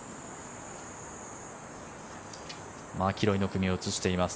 マキロイの組を映しています。